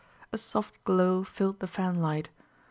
A soft glow filled the fanlight.